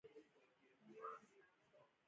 د همدې مفکورې له برکته زه د خپل ايالت خدمت کوم.